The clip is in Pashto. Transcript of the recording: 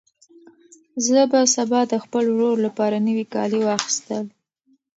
زه به سبا د خپل ورور لپاره نوي کالي واخیستل.